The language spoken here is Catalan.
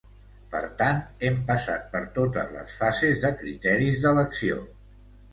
Per tant, hem passat per totes les fases de criteris d’elecció.